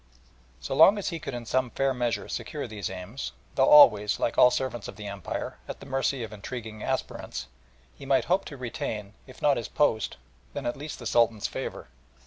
So long as he could in some fair measure secure these aims, though always, like all servants of the Empire, at the mercy of intriguing aspirants, he might hope to retain, if not his post, at least the Sultan's favour.